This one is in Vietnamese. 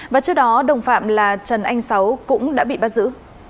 và trước đó đồng phạm là trần anh sáu cũng đã bị bắt giữ